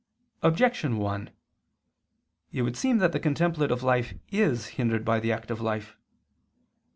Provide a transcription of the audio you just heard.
Objection 1: It would seem that the contemplative life is hindered by the active life.